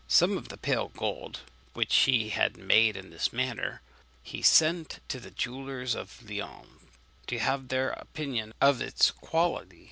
Some of the pale gold which he had made in this manner, he sent to the jewellers of Lyons, to have their opinion on its quality.